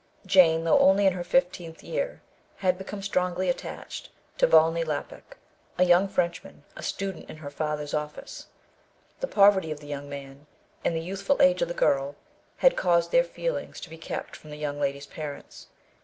Jane, though only in her fifteenth year, had become strongly attached to Volney Lapuc, a young Frenchman, a student in her father's office. The poverty of the young man, and the youthful age of the girl, had caused their feelings to be kept from the young lady's parents.